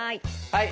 はい。